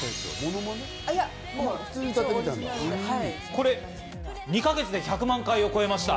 これ、２か月で１００万回を超えました。